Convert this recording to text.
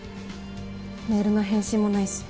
メールの返信もないし。